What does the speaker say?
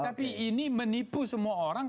tapi ini menipu semua orang